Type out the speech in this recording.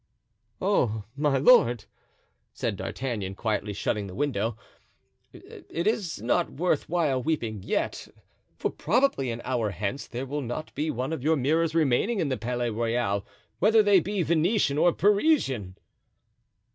"Oh, my lord," said D'Artagnan, quietly shutting the window, "it is not worth while weeping yet, for probably an hour hence there will not be one of your mirrors remaining in the Palais Royal, whether they be Venetian or Parisian."